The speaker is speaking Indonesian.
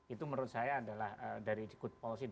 itu menurut saya adalah dari good policy